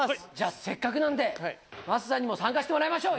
せっかくなんで桝さんにも参加してもらいましょう。